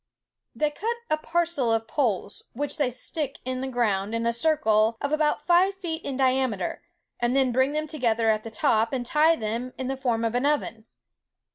"They cut a parcel of poles, which they stick in the ground in a circle of about five feet diameter, and then bring them together at the top, and tie them in the form of an oven.